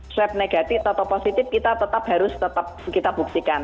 swab negatif atau positif kita tetap harus buktikan